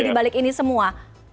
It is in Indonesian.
di balik ini semua